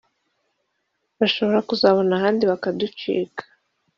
bashobora kuzabona ahandi bakaducika